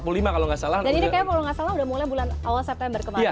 dan ini kalau nggak salah udah mulai bulan awal september kemarin ya